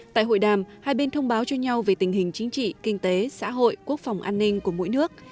tại hội đàm hai bên thông báo cho nhau về tình hình chính trị kinh tế xã hội quốc phòng an ninh của mỗi nước